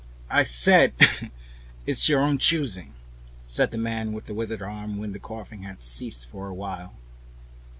"I said it's your own choosing," said the man with the withered hand, when the coughing had ceased for a while.